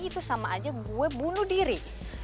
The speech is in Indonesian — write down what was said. itu sama aja gue bunuh diri